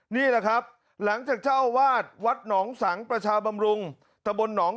นี่แหละครับหลังจากเจ้าวาดวัดหนองสังประชาบำรุงตะบนหนอง